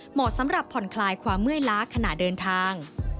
เหมาะสำหรับผ่อนคลายความเมื่อยล้าขณะเดินทาง